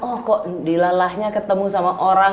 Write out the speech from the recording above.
oh kok dilalahnya ketemu sama orang